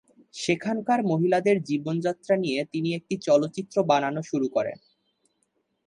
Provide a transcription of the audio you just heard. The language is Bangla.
সেখানকার মহিলাদের জীবনযাত্রা নিয়ে তিনি একটি চলচ্চিত্র বানানো শুরু করেন।